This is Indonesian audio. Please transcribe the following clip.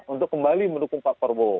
untuk kembali mendukung pak prabowo